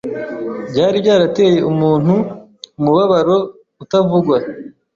byari byarateye umuntu umubabaro utavugwa.